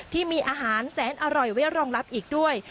ที่มีอาหารแสนอร่อยไว้รองรับอีกด้วย